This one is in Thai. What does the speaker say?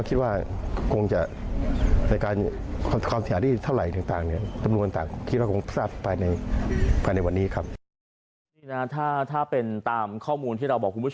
คิดว่าคงสร้างสุดภายในวันนี้ครับ